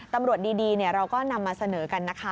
ตำรวจดีเราก็นำมาเสนอกันนะคะ